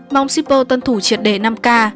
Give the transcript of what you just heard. mong shipper tân thủ triệt đề năm k